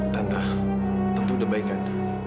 tante tentu sudah baik kan